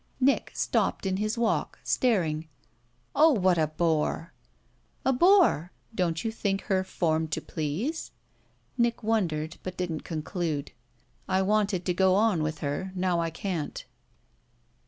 Nick stopped in his walk, staring. "Ah, what a bore!" "A bore? Don't you think her formed to please?" Nick wondered, but didn't conclude. "I wanted to go on with her now I can't."